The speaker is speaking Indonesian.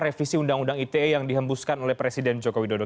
revisi undang undang ite yang dihembuskan oleh presiden joko widodo